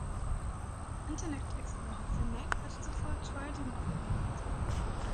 Internet Explorer für Mac hat zuvor Trident verwendet.